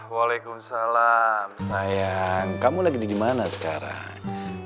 waalaikumsalam sayang kamu lagi di dimana sekarang